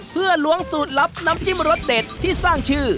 เพื่อล้วงสูตรลับน้ำจิ้มรสเด็ดที่สร้างชื่อ